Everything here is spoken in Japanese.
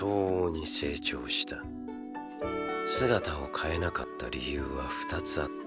姿を変えなかった理由は２つあった。